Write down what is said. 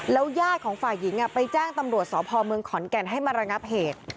ญาติของฝ่ายหญิงไปแจ้งตำรวจสพเมืองขอนแก่นให้มาระงับเหตุ